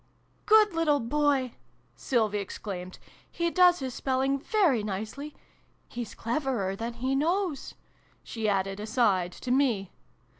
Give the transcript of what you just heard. " Good little boy !" Sylvie exclaimed. " He does his spelling very nicely. Hes cleverer than he knows !" she added, aside, to me.